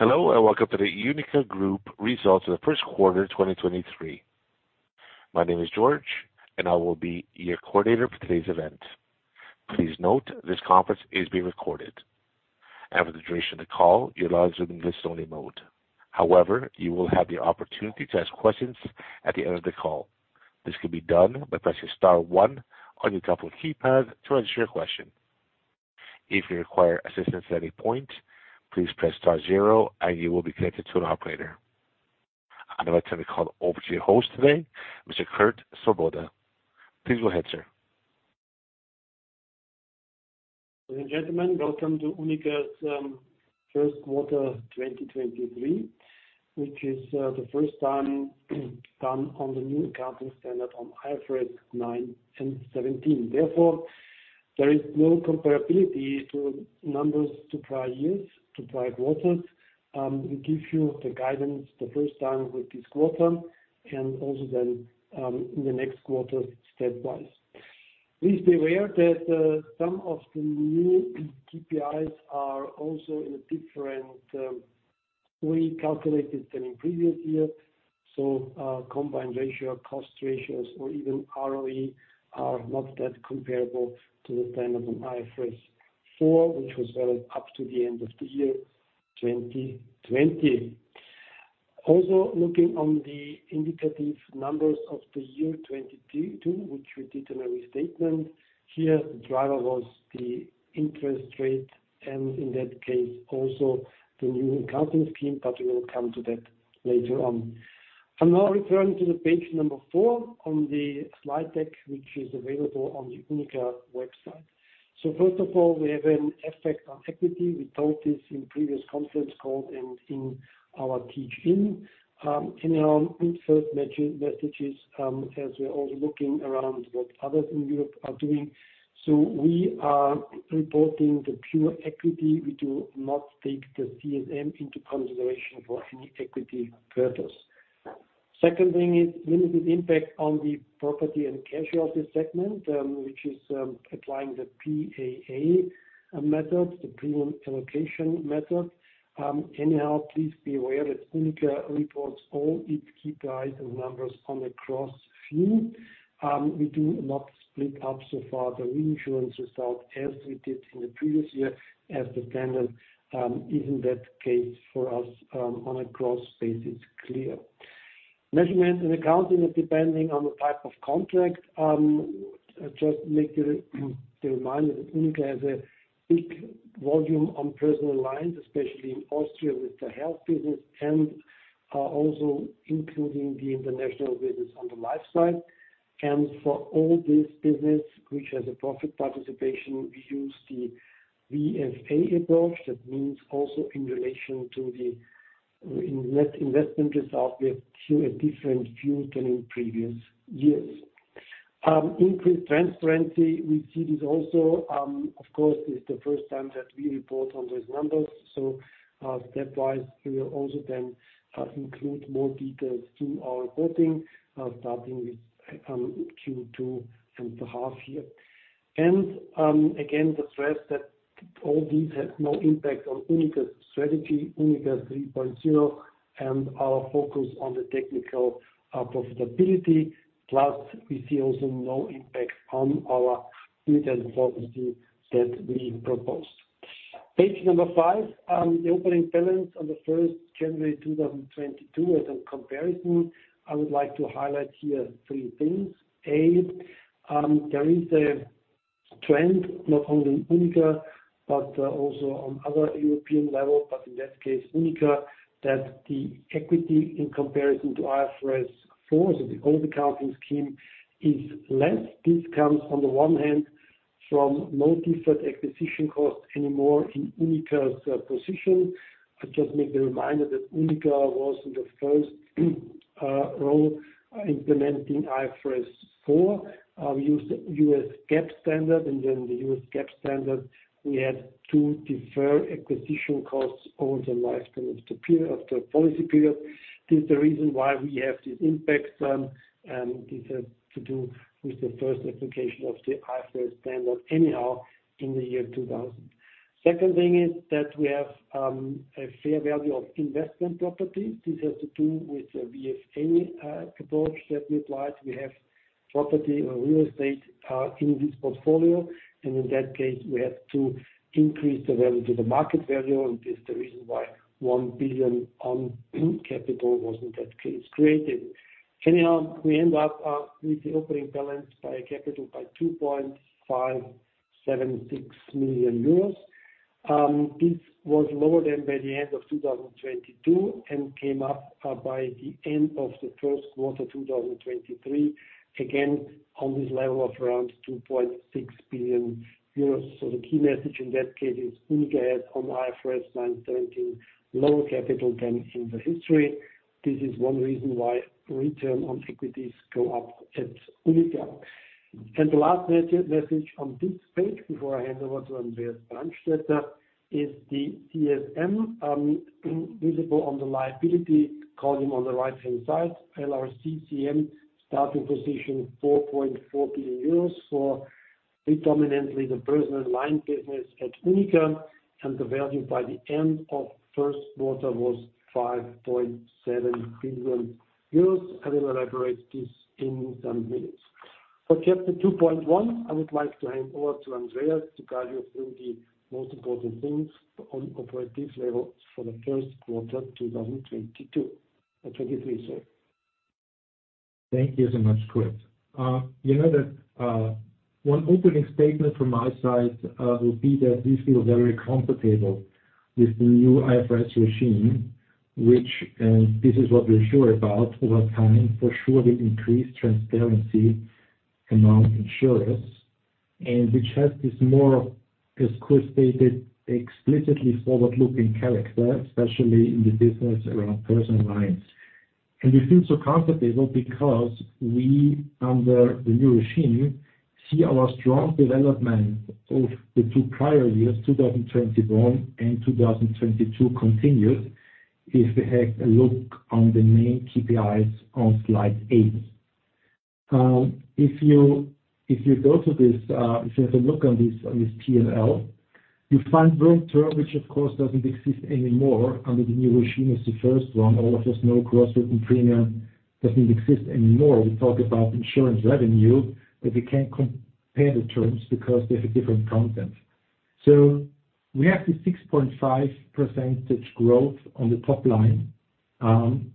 Hello, welcome to the UNIQA Group results of the first quarter, 2023. My name is George, I will be your coordinator for today's event. Please note, this conference is being recorded. For the duration of the call, your lines will be in listen-only mode. However, you will have the opportunity to ask questions at the end of the call. This can be done by pressing star one on your telephone keypad to register your question. If you require assistance at any point, please press star zero, you will be connected to an operator. I'd like to call over to your host today, Mr. Kurt Svoboda. Please go ahead, sir. Ladies and gentlemen, welcome to UNIQA's first quarter, 2023, which is the first time done on the new accounting standard on IFRS 9 and 17. Therefore, there is no comparability to numbers to prior years, to prior quarters. We give you the guidance the first time with this quarter and also then, in the next quarter, stepwise. Please be aware that some of the new KPIs are also in a different, we calculated them in previous years, so, combined ratio, cost ratios, or even ROE are not that comparable to the standard on IFRS 4, which was valid up to the end of the year, 2020. Also, looking on the indicative numbers of the year 2022, which we did in a restatement. Here, the driver was the interest rate, and in that case, also the new accounting scheme, but we will come to that later on. I'm now referring to the page number four on the slide deck, which is available on the UNIQA website. First of all, we have an effect on equity. We told this in previous conference call and in our teaching, anyhow, in first messages, as we're also looking around what others in Europe are doing. We are reporting the pure equity. We do not take the CSM into consideration for any equity purpose. Second thing is limited impact on the property and casualty segment, which is applying the PAA method, the premium allocation approach. Anyhow, please be aware that UNIQA reports all its KPIs and numbers on a cross view. We do not split up so far the reinsurance result as we did in the previous year, as the standard is in that case for us on a cross basis, clear. Measurement and accounting is depending on the type of contract. Just make the reminder that UNIQA has a big volume on personal lines, especially in Austria, with the health business and also including the international business on the life side. For all this business, which has a profit participation, we use the VFA approach. That means also in relation to the investment result, we have to a different view than in previous years. Increased transparency, we see this also, of course, it's the first time that we report on those numbers. Stepwise, we will also then include more details to our reporting, starting with Q2 and the half year. Again, the stress that all these have no impact on UNIQA's strategy, UNIQA 3.0, and our focus on the technical profitability. Plus, we see also no impact on our retail policy that we proposed. Page five, the opening balance on the 1st January 2022, as a comparison, I would like to highlight here three things. A, there is a trend, not only UNIQA, but also on other European level, but in that case, UNIQA, that the equity in comparison to IFRS 4, so the old accounting scheme, is less. This comes, on the one hand, from no different acquisition cost anymore in UNIQA's position. I just make the reminder that UNIQA was in the first role implementing IFRS 4. We used US GAAP standard, then the US GAAP standard, we had to defer acquisition costs over the lifespan of the period, of the policy period. This is the reason why we have this impact, this has to do with the first application of the IFRS standard anyhow in the year 2000. Second thing is that we have a fair value of investment property. This has to do with the VFA approach that we applied. We have property or real estate in this portfolio, in that case, we have to increase the value to the market value, this is the reason why 1 billion on capital was in that case created. Anyhow, we end up with the opening balance by a capital by 2.576 million euros. This was lower than by the end of 2022 and came up by the end of the first quarter 2023, again, on this level of around 2.6 billion euros. The key message in that case is UNIQA has on IFRS 9 13, lower capital than in the history. This is one reason why return on equities go up at UNIQA. The last message on this page, before I hand over to Andreas Brandstetter, is the CSM, visible on the liability column on the right-hand side, LRCSM, starting position 4.4 billion euros predominantly the personal line business at UNIQA, and the value by the end of first quarter was 5.7 billion euros. I will elaborate this in some minutes. For chapter 2.1, I would like to hand over to Andreas to guide you through the most important things on operative level for the first quarter 2022, 2023, sorry. Thank you so much, Kurt. You know that one opening statement from my side will be that we feel very comfortable with the new IFRS regime, which this is what we're sure about over time, for sure, will increase transparency among insurers, and which has this more, as Kurt stated, explicitly forward-looking character, especially in the business around personal lines. We feel so comfortable because we, under the new regime, see our strong development of the two prior years, 2021 and 2022 continued, if we take a look on the main KPIs on slide eight. If you go to this, if you have a look on this, on this PNL, you find gross writer, which of course, doesn't exist anymore under the new regime, is the first one. All of us know gross written premium doesn't exist anymore. We talk about insurance revenue, but we can't compare the terms because they have a different content. We have the 6.5% growth on the top line,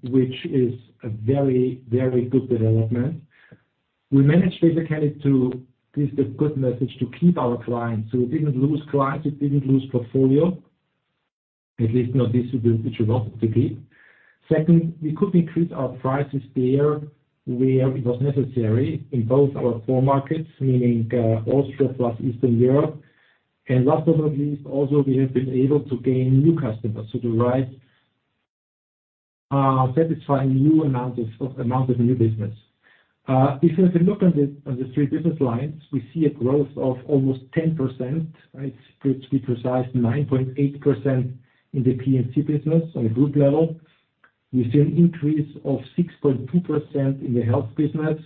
which is a very, very good development. We managed basically to, this is a good message, to keep our clients, so we didn't lose clients, we didn't lose portfolio. At least not this, which we want to keep. Second, we could increase our prices there where it was necessary in both our core markets, meaning, Austria plus Eastern Europe. Last but not least, also, we have been able to gain new customers. The right, satisfying new amounts of new business. If you have a look on the three business lines, we see a growth of almost 10%, right? To be precise, 9.8% in the PNC business on a group level. We see an increase of 6.2% in the health business,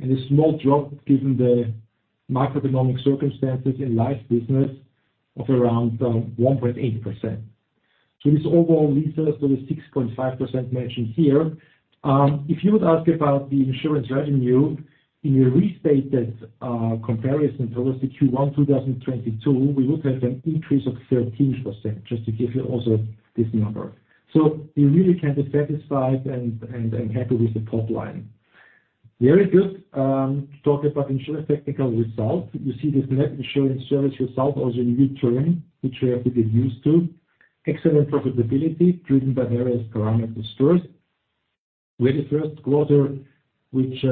and a small drop, given the macroeconomic circumstances in life business of around, 1.8%. This overall leads us to the 6.5% mentioned here. If you would ask about the insurance revenue in a restated comparison towards the Q1 2022, we would have an increase of 13%, just to give you also this number. We really can be satisfied and happy with the top line. Very good, to talk about insurance technical results. You see this net insurance service result, or the new term, which we have to get used to. Excellent profitability, driven by various parameters first. We had a first quarter, which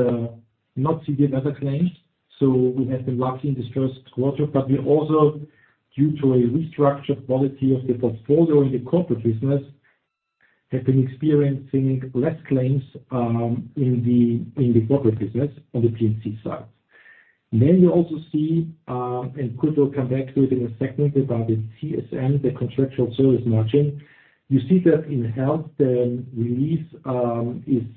not severe weather claims, so we have been lucky in this first quarter, but we also, due to a restructured quality of the portfolio in the corporate business, have been experiencing less claims in the corporate business on the PNC side. You also see, and Kurt will come back to it in a second, about the CSM, the contractual service margin. You see that in health, the release is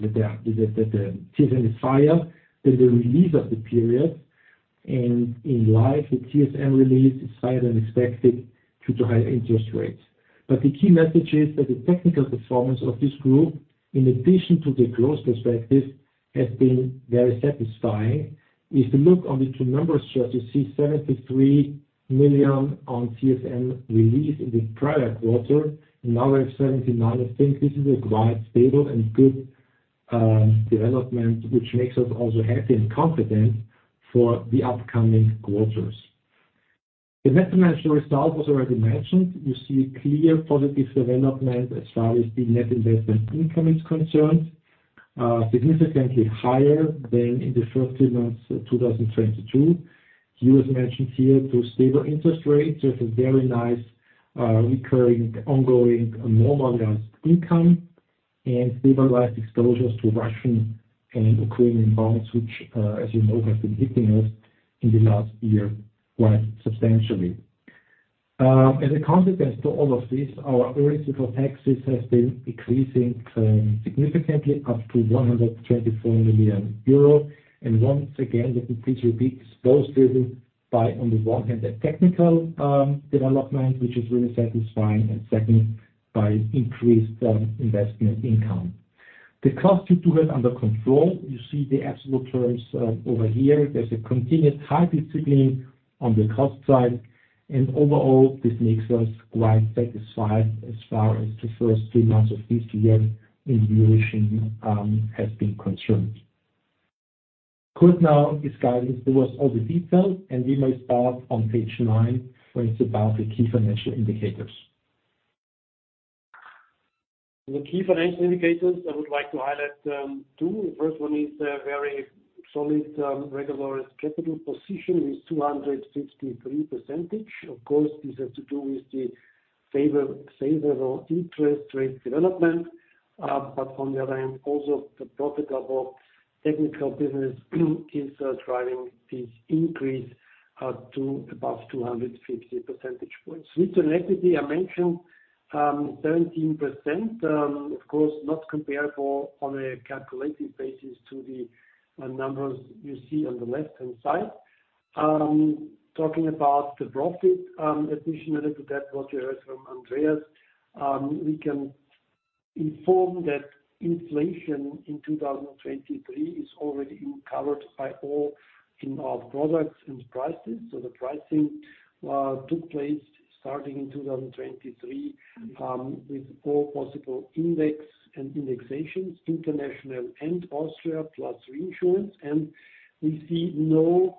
the CSM is higher than the release of the period. In life, the CSM release is higher than expected due to higher interest rates. The key message is that the technical performance of this group, in addition to the growth perspective, has been very satisfying. If you look on the two numbers, you see 73 million on CSM release in the prior quarter, now we have 79 million. I think this is a quite stable and good development, which makes us also happy and confident for the upcoming quarters. The net financial result was already mentioned. You see a clear positive development as far as the net investment income is concerned, significantly higher than in the first three months of 2022. Here, as mentioned here, through stable interest rates, there's a very nice recurring, ongoing normalized income and stabilized exposures to Russian and Ukrainian bonds, which, as you know, have been hitting us in the last year quite substantially. As a consequence to all of this, our original taxes has been increasing significantly up to 124 million euro. Once again, that we pretty big exposed to by, on the one hand, the technical development, which is really satisfying, and second, by increased investment income. The cost to do it under control, you see the absolute terms over here. There's a continued high discipline on the cost side, and overall, this makes us quite satisfied as far as the first three months of this year in the region has been concerned. Kurt now is guiding us through all the details, and we may start on page nine, where it's about the key financial indicators. The key financial indicators, I would like to highlight, two. The first one is a very solid regulatory capital position with 263%. Of course, this has to do with the favorable interest rate development. On the other hand, also the profitable technical business is driving this increase to above 250 percentage points. Return equity, I mentioned, 17%. Of course, not comparable on a calculated basis to the numbers you see on the left-hand side. Talking about the profit, additionally to that, what you heard from Andreas, we can inform that inflation in 2023 is already covered by all in our products and prices. The pricing took place starting in 2023 with all possible index and indexations, international and Austria, plus reinsurance. We see no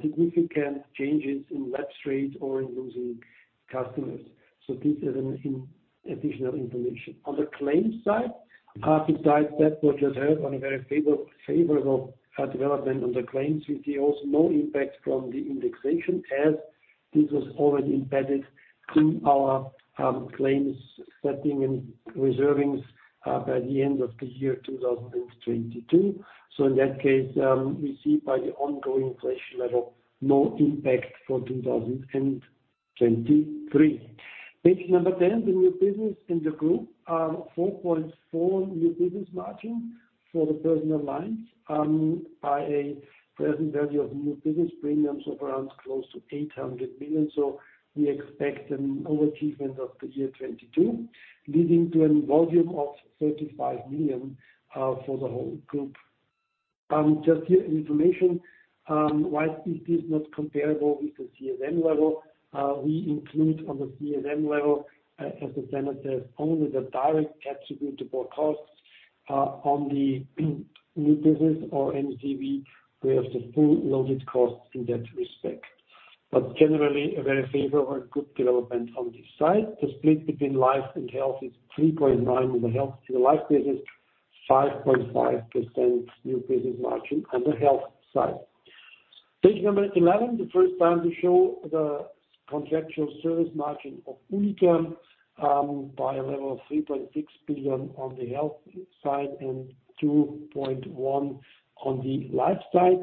significant changes in web trade or in losing customers. This is an additional information. On the claims side, besides that, what you heard on a very favorable development on the claims, we see also no impact from the indexation, as this was already embedded in our, claims setting and reservings, by the end of the year 2022. In that case, we see by the ongoing inflation level, no impact for 2023. Page 10, the new business in the group, 4.4% new business margin for the personal lines, by a present value of new business premiums of around close to 800 million. We expect an overachievement of the year 2022, leading to a volume of 35 million for the whole group. Just information, why is this not comparable with the CSM level? We include on the CSM level, as the standard says, only the direct attributable costs, on the new business or NBM, we have the full loaded costs in that respect. Generally, a very favorable good development on this side. The split between life and health is 3.9% on the health. To the life business, 5.5% new business margin on the health side. Page number 11, the first time we show the contractual service margin of UNIQA, by a level of 3.6 billion on the health side and 2.1 billion on the life side.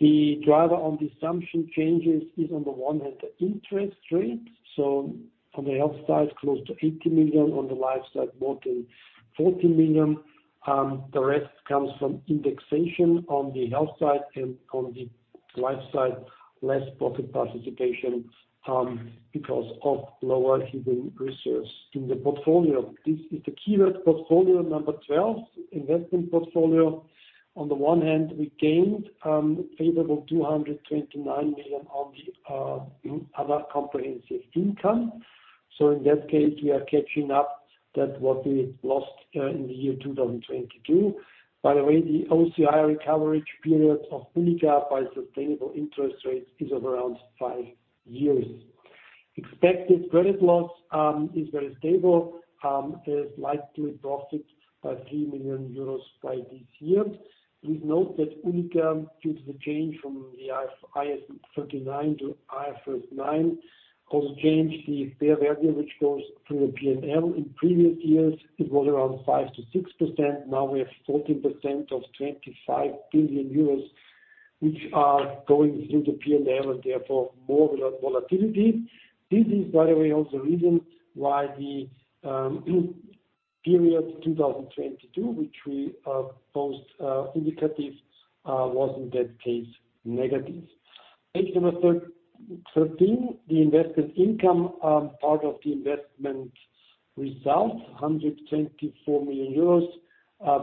The driver on the assumption changes is on the one hand, the interest rate. On the health side, close to 80 million, on the life side, more than 40 million. The rest comes from indexation on the health side and on the life side, less profit participation, because of lower hidden reserves in the portfolio. This is the key net portfolio number 12, investment portfolio. On the one hand, we gained favorable 229 million on the other comprehensive income. In that case, we are catching up that what we lost in the year 2022. By the way, the OCI recovery period of UNIQA by sustainable interest rates is of around 5 years. Expected credit loss is very stable, is likely profit by 3 million euros by this year. Please note that UNIQA, due to the change from the IAS 39 to IFRS 9, has changed the fair value, which goes through the PNL. In previous years, it was around 5%-6%. Now we have 14% of 25 billion euros, which are going through the PNL, and therefore, more volatility. This is, by the way, also the reason why the period 2022, which we post indicative, was in that case, negative. Page number 13, the investment income, part of the investment result, 124 million euros,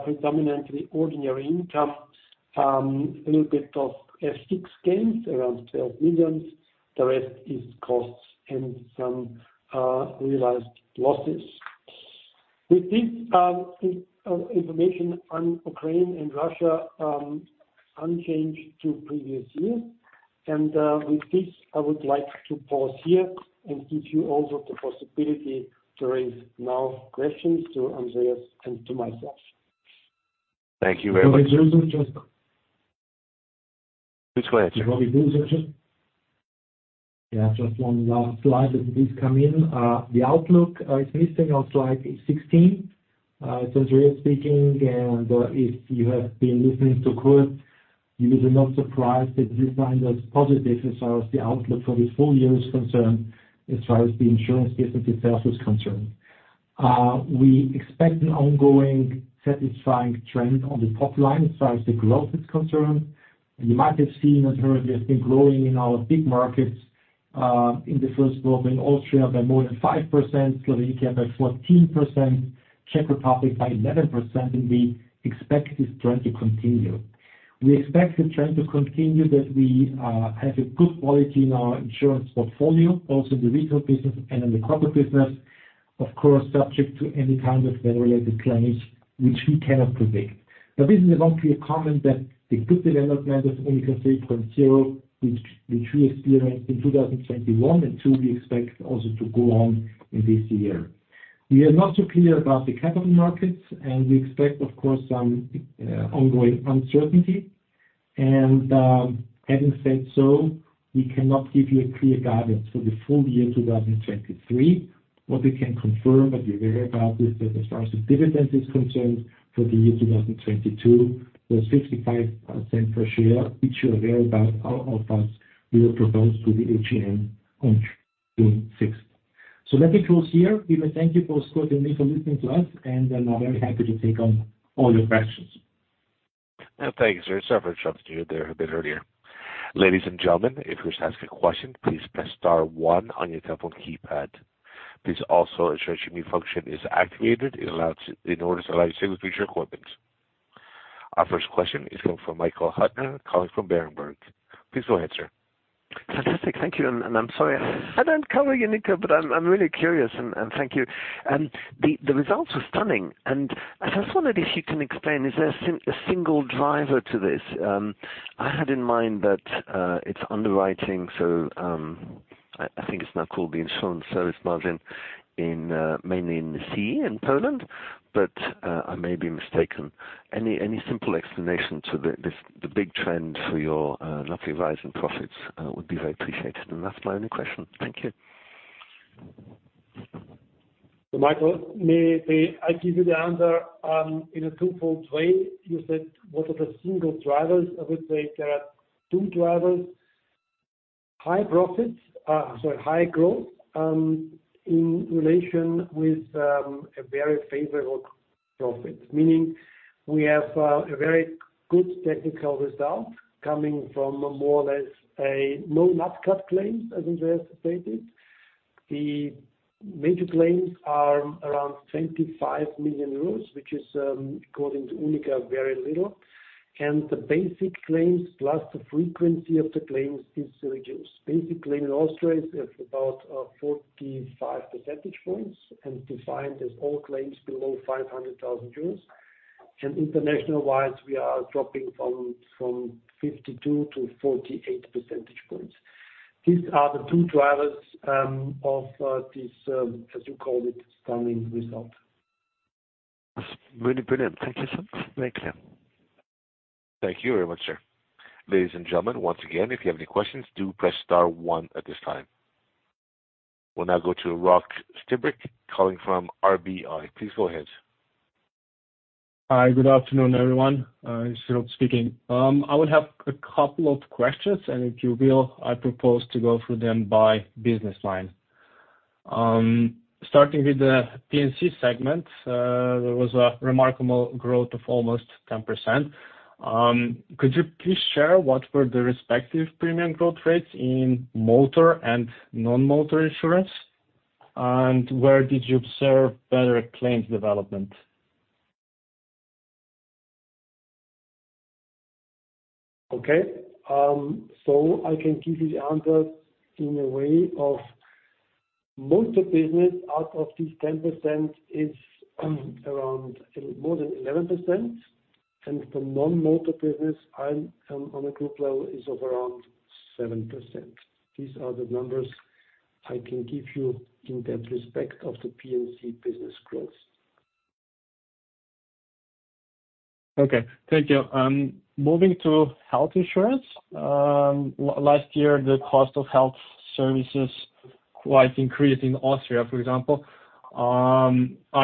predominantly ordinary income, a little bit of FX gains, around 12 million. The rest is costs and some realized losses. With this, information on Ukraine and Russia, unchanged to previous year. With this, I would like to pause here and give you also the possibility to raise now questions to Andreas and to myself. Thank you very much. Just- Please go ahead. Just one last slide that did come in. The outlook is missing on slide 16. Andreas speaking, if you have been listening to Kurt, you will be not surprised that this find us positive as far as the outlook for the full year is concerned, as far as the insurance business itself is concerned. We expect an ongoing satisfying trend on the top line, as far as the growth is concerned. You might have seen and heard, we have been growing in our big markets in the first quarter in Austria by more than 5%, Slovakia by 14%, Czech Republic by 11%, and we expect this trend to continue. We expect the trend to continue, that we have a good quality in our insurance portfolio, also the retail business and in the corporate business, of course, subject to any kind of weather-related claims, which we cannot predict. This is a not clear comment that the good development of UNIQA 3.0, which we experienced in 2021, and 2022, we expect also to go on in this year. We are not so clear about the capital markets, and we expect, of course, some ongoing uncertainty. Having said so, we cannot give you a clear guidance for the full year 2023. What we can confirm, and you heard about this, that as far as the dividend is concerned, for the year 2022, the 0.65 per share, which you heard about all of us, we will propose to the AGM on June sixth. Let me close here, give a thank you for Scott and me for listening to us, and I'm very happy to take on all your questions. Thank you, sir. Sorry for interrupting you there a bit earlier. Ladies and gentlemen, if you wish to ask a question, please press star 1 on your telephone keypad. Please also ensure mute function is activated, in order to allow you to save future equipment. Our first question is coming from Michael Huttner, calling from Berenberg. Please go ahead, sir. Fantastic. Thank you. I'm sorry, I don't cover UNIQA, but I'm really curious and thank you. The results were stunning, and I just wondered if you can explain, is there a single driver to this? I had in mind that it's underwriting, so I think it's now called the insurance service result in mainly in the C, in Poland, but I may be mistaken. Any simple explanation to this, the big trend for your lovely rise in profits would be very appreciated. That's my only question. Thank you. Michael, may I give you the answer in a twofold way. You said what are the single drivers? I would say there are two drivers. High profits, sorry, high growth in relation with a very favorable profit. Meaning we have a very good technical result coming from a more or less a no Nat Cat claim, as we anticipated. The major claims are around 25 million euros, which is according to UNIQA, very little. The basic claims, plus the frequency of the claims is reduced. Basic claim in Austria is about 45 percentage points and defined as all claims below 500,000 euros. International-wise, we are dropping from 52-48 percentage points. These are the two drivers of this, as you call it, stunning result. That's really brilliant. Thank you so much. Very clear. Thank you very much, sir. Ladies and gentlemen, once again, if you have any questions, do press star one at this time. We'll now go to Rok Stibric, calling from RBI. Please go ahead. Hi, good afternoon, everyone. It's Philip speaking. I would have a couple of questions, and if you will, I propose to go through them by business line. Starting with the PNC segment, there was a remarkable growth of almost 10%. Could you please share what were the respective premium growth rates in motor and non-motor insurance? Where did you observe better claims development? I can give you the answer in a way of motor business, out of these 10% is, around a more than 11%, and the non-motor business, I'm, on a group level, is of around 7%. These are the numbers I can give you in that respect of the PNC business growth. Okay, thank you. Moving to health insurance, last year, the cost of health services quite increased in Austria, for example. Are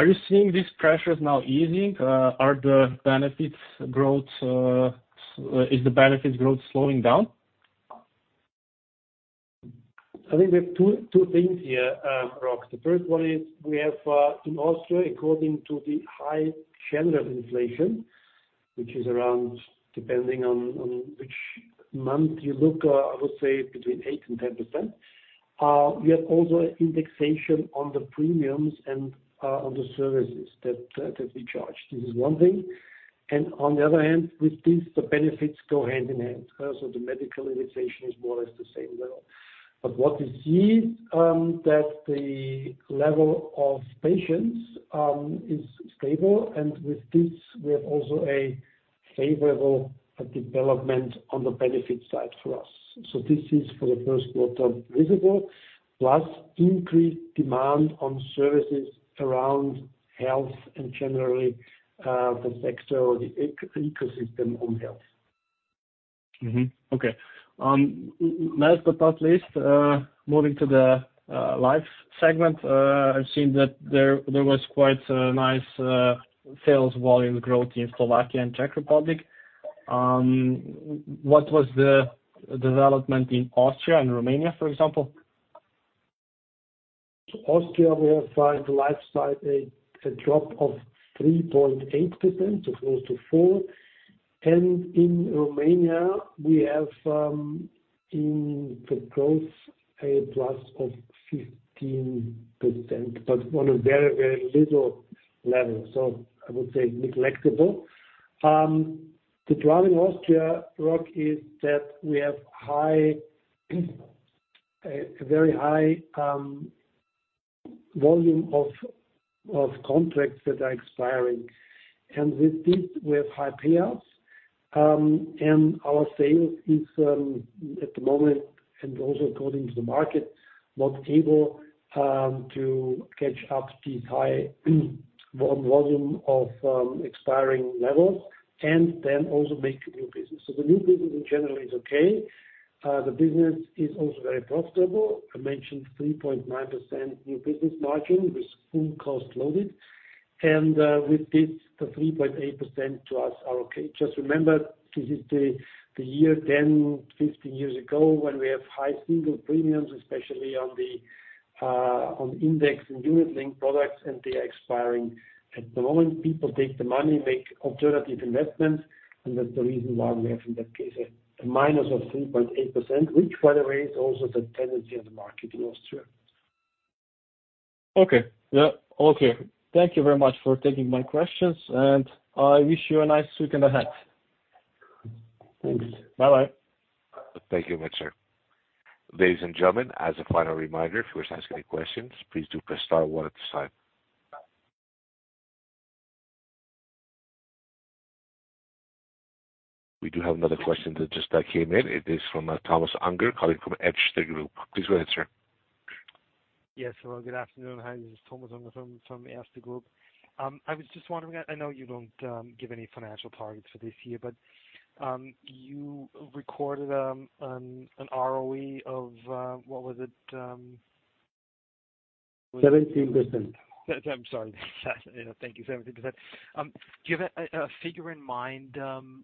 you seeing these pressures now easing? Is the benefits growth slowing down? I think we have two things here, Rok. The first one is we have in Austria, according to the high general inflation, which is around, depending on which month you look, I would say between 8% and 10%. We have also indexation on the premiums and on the services that we charge. This is one thing. On the other hand, with this, the benefits go hand in hand. The medical inflation is more or less the same level. But what you see, that the level of patients is stable, and with this, we have also a favorable development on the benefit side for us. This is for the first quarter visible, plus increased demand on services around health and generally the extra, the ecosystem on health. Okay. Last but not least, moving to the life segment, I've seen that there was quite a nice sales volume growth in Slovakia and Czech Republic. What was the development in Austria and Romania, for example? Austria, we have five life side, a drop of 3.8%, so close to 4. In Romania, we have in the growth, a plus of 15%, but on a very, very little level. I would say negligible. The drive in Austria, Rok, is that we have a very high volume of contracts that are expiring. With this, we have high payouts, and our sales is at the moment, and also according to the market, not able to catch up the high volume of expiring levels and then also make new business. The new business in general is okay. The business is also very profitable. I mentioned 3.9% new business margin with full cost loaded. With this, the 3.8% to us are okay. Just remember, this is the year 10 years, 15 years ago, when we have high single premiums, especially on the index and unit link products, and they are expiring. At the moment, people take the money, make alternative investments, and that's the reason why we have, in that case, a minus of 3.8%, which, by the way, is also the tendency of the market in Austria. Okay. Yeah. Okay. Thank you very much for taking my questions. I wish you a nice week ahead. Thanks. Bye-bye. Thank you, mister. Ladies and gentlemen, as a final reminder, if you wish to ask any questions, please do press star one at this time. We do have another question that just came in. It is from Thomas Unger, calling from Erste Group. Please go ahead, sir. Yes, hello, good afternoon. Hi, this is Thomas Unger from Erste Group. I was just wondering, I know you don't give any financial targets for this year, but you recorded an ROE of what was it? 17%. I'm sorry. Thank you, 17%. Do you have a figure in mind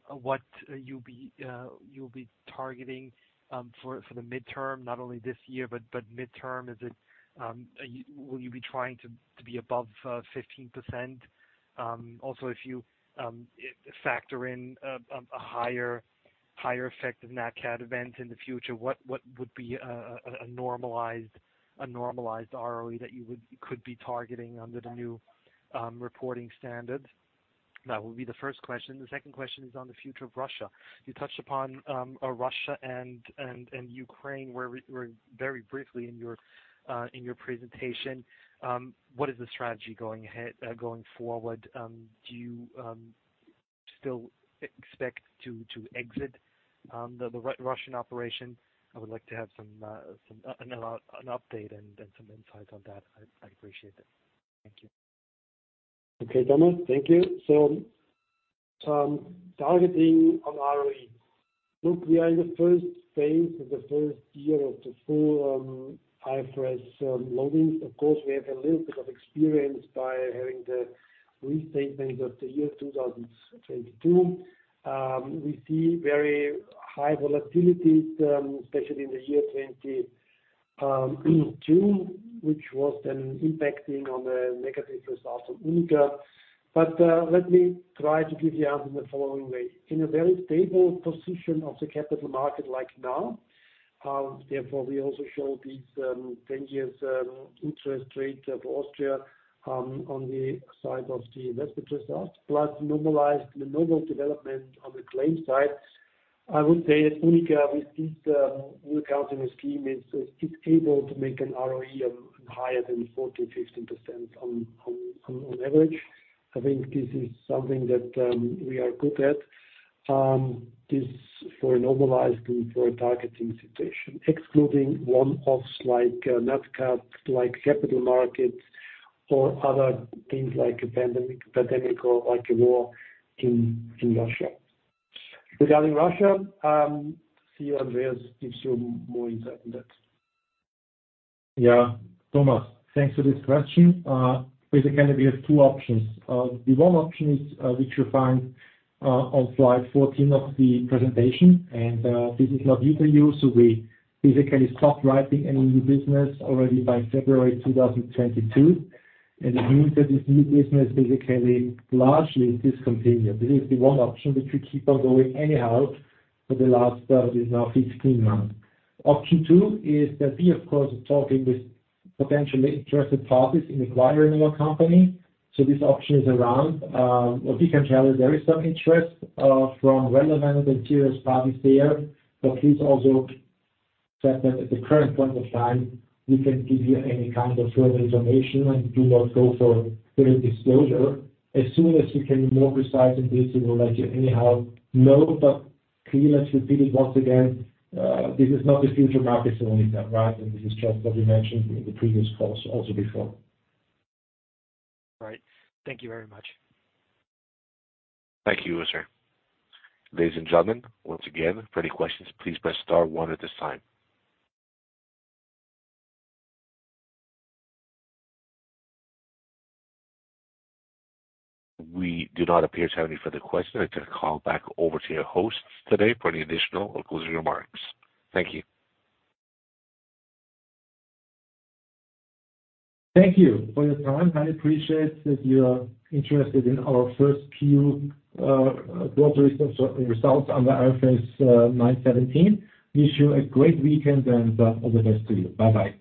what you'll be targeting for the midterm? Not only this year, but midterm. Is it? Will you be trying to be above 15%? Also, if you factor in a higher effect of Nat Cat event in the future, what would be a normalized ROE that you could be targeting under the new reporting standards? That would be the first question. The second question is on the future of Russia. You touched upon Russia and Ukraine briefly in your presentation. What is the strategy going ahead going forward? Do you still expect to exit the Russian operation? I would like to have some an update and some insights on that. I'd appreciate that. Thank you. Okay, Thomas, thank you. Targeting on ROE. Look, we are in the first phase of the first year of the full IFRS loading. Of course, we have a little bit of experience by having the restatement of the year 2022. We see very high volatility, especially in the year 2022, which was then impacting on the negative results of UNIQA. Let me try to give you the answer in the following way. In a very stable position of the capital market like now, therefore, we also show these 10 years interest rate of Austria on the side of the investment results, plus normalized the normal development on the claim side. I would say, as UNIQA, with this accounting scheme, is able to make an ROE of higher than 14%, 15% on average. I think this is something that we are good at. This for a normalized and for a targeting situation, excluding one-offs, like Nat Cat, like capital markets or other things like a pandemic or like a war in Russia. Regarding Russia, CEO Andreas gives you more insight on that. Yeah. Thomas, thanks for this question. Basically, we have two options. The one option is, which you find on slide 14 of the presentation, and this is no use case. We basically stopped writing any new business already by February 2022. It means that this new business, basically, largely discontinued. This is the one option, which we keep on going anyhow for the last, is now 15 months. Option two is that we, of course, are talking with potentially interested parties in acquiring our company, so this option is around. What we can tell you, there is some interest from relevant and serious parties there, but please also accept that at the current point of time, we can't give you any kind of further information and do not go for further disclosure. As soon as we can be more precise in this, we will let you anyhow know, but please, let's repeat it once again, this is not the future market of UNIQA, right? This is just what we mentioned in the previous calls also before. Right. Thank you very much. Thank you, sir. Ladies and gentlemen, once again, for any questions, please press star one at this time. We do not appear to have any further questions. I turn the call back over to your hosts today for any additional or closing remarks. Thank you. Thank you for your time. I appreciate that you are interested in our first Q, quarterly results on the IFRS 9 17. Wish you a great weekend, and, all the best to you. Bye-bye.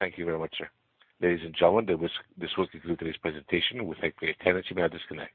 Thank you very much, sir. Ladies and gentlemen, this will conclude today's presentation. We thank you for your attendance. You may now disconnect.